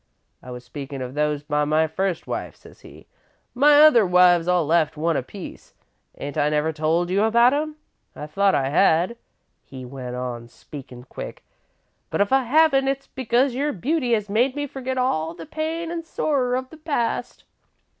"'I was speakin' of those by my first wife,' says he. 'My other wives all left one apiece. Ain't I never told you about 'em? I thought I had,' he went on, speakin' quick, 'but if I haven't, it 's because your beauty has made me forget all the pain an' sorrer of the past.'